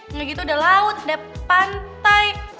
nggak gitu ada laut ada pantai